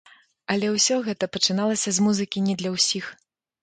Але ўсё гэта пачыналася з музыкі не для ўсіх.